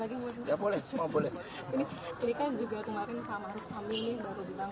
ini kan juga kemarin pak maruf amin nih baru bilang